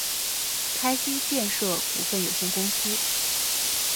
开心建设股份有限公司